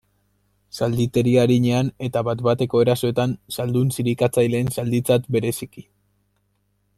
Zalditeria arinean eta bat bateko erasoetan, zaldun zirikatzaileen zalditzat bereziki.